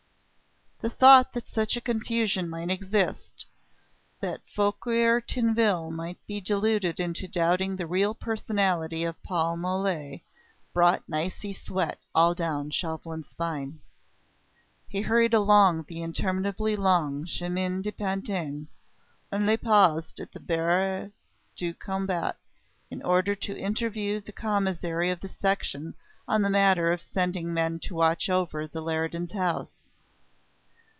The thought that such a confusion might exist, that Fouquier Tinville might be deluded into doubting the real personality of Paul Mole, brought an icy sweat all down Chauvelin's spine. He hurried along the interminably long Chemin de Pantin, only paused at the Barriere du Combat in order to interview the Commissary of the Section on the matter of sending men to watch over the Leridans' house.